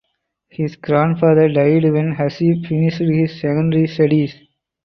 His grandfather died when Haseeb finished his secondary studies.